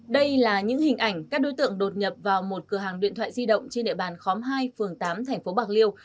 đây là những hình ảnh các đối tượng đột nhập vào một cửa hàng điện thoại di động trên địa bàn khóm hai phường tám tp bạc liêu